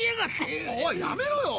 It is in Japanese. おいやめろよ！